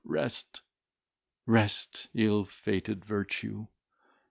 Rest, rest, ill fated virtue!